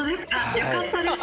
良かったです